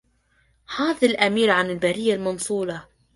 حاز الأمير عن البرية منصلا